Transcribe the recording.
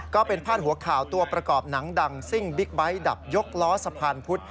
ก็เป็นพาดหัวข่าวตัวประกอบหนังดังซิ่งบิ๊กไบท์ดับยกล้อสะพานพุธ